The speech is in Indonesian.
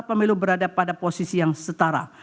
pemilu berada pada posisi yang setara